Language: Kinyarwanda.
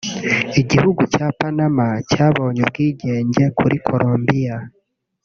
Igihugu cya Panama cyabonye ubwigenge kuri Colombiya